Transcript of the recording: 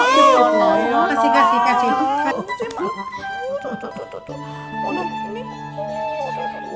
kasih kasih kasih